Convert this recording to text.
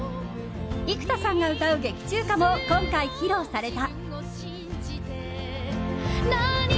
生田さんが歌う劇中歌も今回、披露された。